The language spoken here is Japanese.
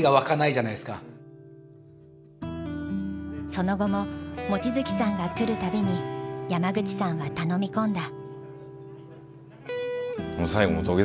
その後も望月さんが来る度に山口さんは頼み込んだ。